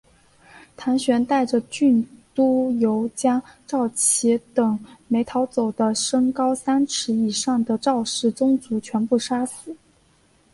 唐玹带着郡督邮将赵岐等没逃走的身高三尺以上的赵氏宗族全部杀死。